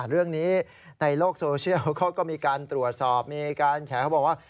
เรื่องนี้ในโลกโซเชียลเขาก็มีการตรวจสอบมีการแฉเขาบอกว่า